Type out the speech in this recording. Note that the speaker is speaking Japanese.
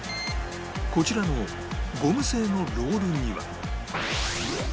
こちらのゴム製のロールには